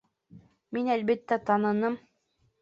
Мин, әлбиттә, таныным.